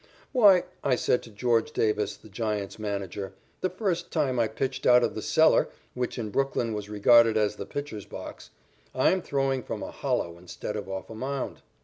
"Why," I said to George Davis, the Giants' manager, the first time I pitched out of the cellar which in Brooklyn was regarded as the pitcher's box, "I'm throwing from a hollow instead of off a mound."